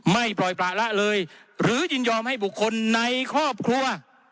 ปล่อยประละเลยหรือยินยอมให้บุคคลในครอบครัว